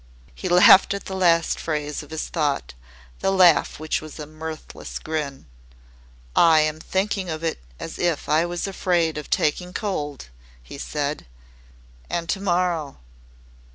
He laughed at the last phrase of his thought, the laugh which was a mirthless grin. "I am thinking of it as if I was afraid of taking cold," he said. "And to morrow